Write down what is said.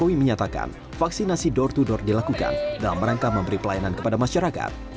jokowi menyatakan vaksinasi door to door dilakukan dalam rangka memberi pelayanan kepada masyarakat